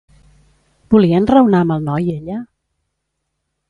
Volia enraonar amb el noi, ella?